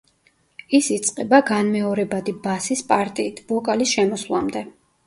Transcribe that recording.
ის იწყება განმეორებადი ბასის პარტიით, ვოკალის შემოსვლამდე.